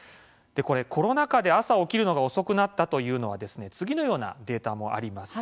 コロナ禍で朝起きるのが遅くなったというのは次のようなデータもあります。